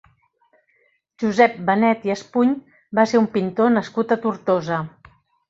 Josep Benet i Espuny va ser un pintor nascut a Tortosa.